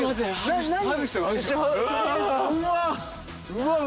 うわっ！